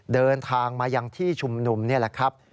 เดินทางมายังที่ชุมนุมนี่แหละครับ